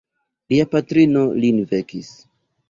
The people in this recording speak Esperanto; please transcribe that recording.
Lia patrino lin vekis.